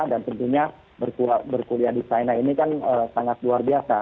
dan tentunya berkuliah di china ini kan sangat luar biasa